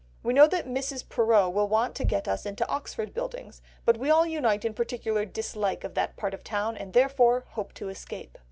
We know that Mrs. Perrot will want to get us into Oxford Buildings, but we all unite in particular dislike of that part of the town, and therefore hope to escape."